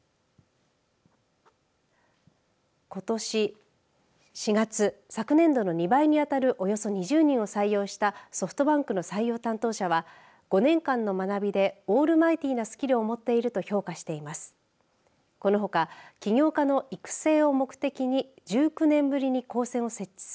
ことし４月昨年度の２倍にあたるおよそ２０人を採用したソフトバンクの採用担当者は５年間の学びでオールマイティーなスキルを持っていると評価しています。